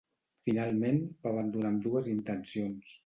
Finalment, va abandonar ambdues intencions.